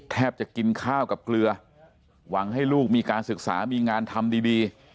จะกินข้าวกับเกลือหวังให้ลูกมีการศึกษามีงานทำดี